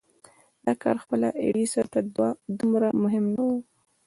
دا کار خپله ايډېسن ته دومره مهم نه و.